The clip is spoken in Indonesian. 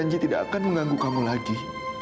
dan janji tidak akan mengganggu kamu lagi